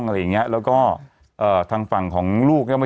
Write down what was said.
สวัสดีครับคุณผู้ชม